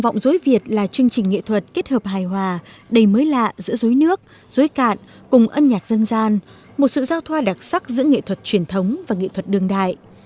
hát dối việt là chương trình nghệ thuật kết hợp hài hòa đầy mới lạ giữa dối nước dối cạn cùng âm nhạc dân gian một sự giao thoa đặc sắc giữa nghệ thuật truyền thống và nghệ thuật đường đại